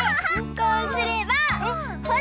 こうすればほら！